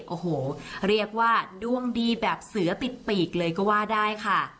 โอ้โหเรียกว่าดวงดีแบบเสือติดปีกเลยก็ว่าได้ค่ะ